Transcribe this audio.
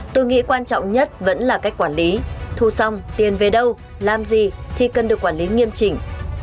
tôi nghĩ quan trọng nhất vẫn là cách quản lý thu xong tiền về đâu làm gì thì cần được quản lý nghiêm chỉnh